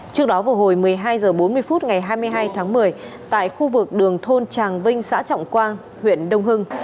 trước đó vào hồi một mươi hai h bốn mươi phút ngày hai mươi hai tháng một mươi tại khu vực đường thôn tràng vinh xã trọng quang huyện đông hưng